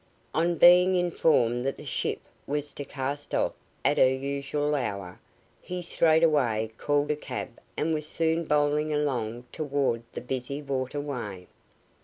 On being informed that the ship was to cast off at her usual hour, he straightway called a cab and was soon bowling along toward the busy waterway.